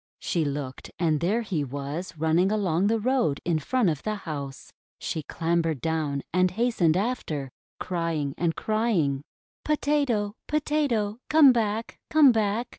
She looked, and there he was running along the road in front of the house. She clam bered down and hastened after, crying and crying :— "Potato! Potato! Come back! Come back!